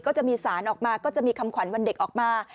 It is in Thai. ก็จะมีสารออกมาก็จะมีคำขวัญวันเด็กออกมา